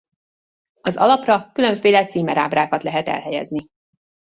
Az alapra különféle címerábrákat lehet elhelyezni.